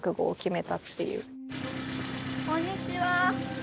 こんにちは。